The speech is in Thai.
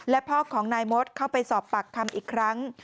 และพ่อของนายมดเข้าไปสอบปากคำอีกครั้ง